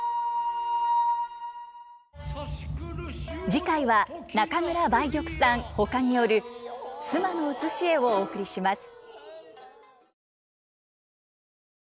次回は中村梅玉さんほかによる「須磨の写絵」をお送りします。